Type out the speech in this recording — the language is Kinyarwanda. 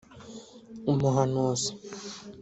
Umuhanuzi